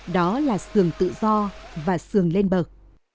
đó là sườn tự do và sườn lên bậc